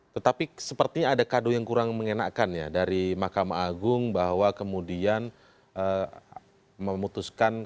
tetapi sepertinya ada kado yang kurang mengenakan ya dari mahkamah agung bahwa kemudian memutuskan